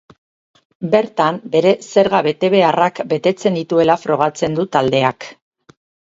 Bertan bere zerga betebeharrak betetzen dituela frogatzen du taldeak.